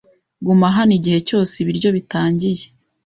Guma hano igihe cyose ibiryo bitangiye.